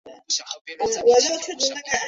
跨洲国家以首都所在洲计算。